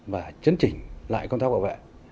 và chấn trình lại công tác bảo vệ